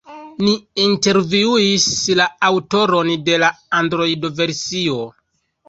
Ni intervjuis la aŭtoron de la Android-versio.